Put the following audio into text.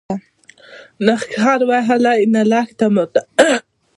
نه خر وهلی، نه لښته ماته